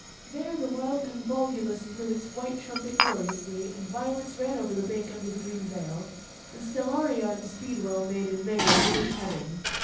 There the wild convolvulus blew its white trumpet gloriously and violets ran over the bank under the green veil, and stellaria and speedwell made in May a mimic heaven.